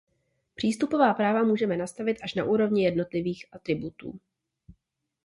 Přístupová práva můžeme nastavit až na úroveň jednotlivých atributů.